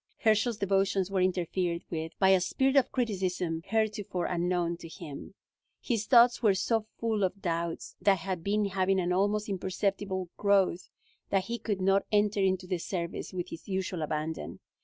Herschel's devotions were interfered with by a spirit of criticism heretofore unknown to him. His thoughts were so full of doubts that had been having an almost imperceptible growth that he could not enter into the service with his usual abandon.